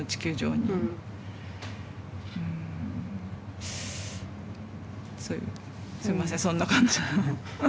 すいませんそんな感じ。